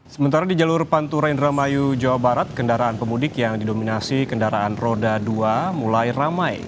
sementara di jalur pantura indramayu jawa barat kendaraan pemudik yang didominasi kendaraan roda dua mulai ramai